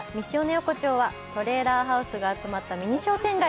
横丁はトレーラーハウスが集まったミニ商店街。